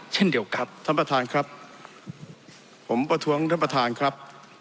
เช่นเดียวกับท่านประธานครับผมประท้วงท่านประธานครับ